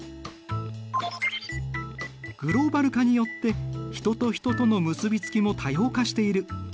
グローバル化によって人と人との結びつきも多様化している。